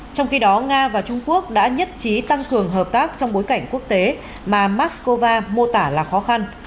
trong khi đó nga và trung quốc đã nhất trí tăng cường hợp tác trong bối cảnh quốc tế mà moscow mô tả là khó khăn